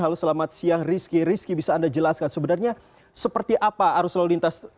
halo selamat siang rizky rizky bisa anda jelaskan sebenarnya seperti apa arus lalu lintas